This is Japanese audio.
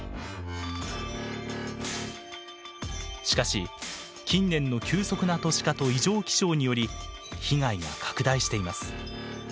しかし近年の急速な都市化と異常気象により被害が拡大しています。